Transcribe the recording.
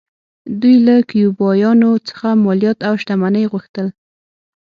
دوی له کیوبایانو څخه مالیات او شتمنۍ غوښتل